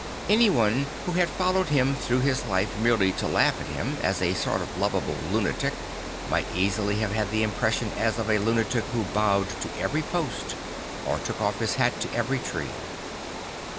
Anyone who had followed him through life merely to laugh at him, as a sort of lovable lunatic, might easily have had an impression as of a lunatic who bowed to every post or took off his hat to every tree.